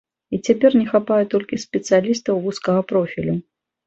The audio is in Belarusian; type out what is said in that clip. І цяпер не хапае толькі спецыялістаў вузкага профілю.